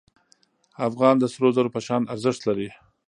افغان د سرو زرو په شان ارزښت لري.